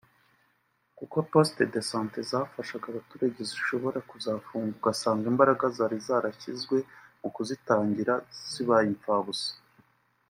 kuko Poste de Sante zafashaga abaturage zishobora kuzafunga ugasanga imbaraga zari zarashyizwe mu kuzitangira zibaye imfabusa